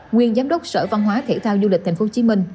nguyên giám đốc sở văn hóa thể thao du lịch tp hcm